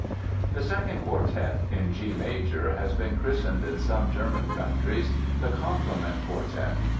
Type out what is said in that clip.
The second quartet, in G major, has been christened in some German countries the "Compliment Quartet."